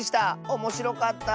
おもしろかった。